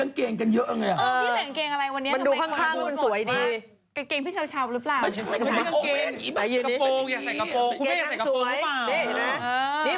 จะกินอะไรอยากกินอะไร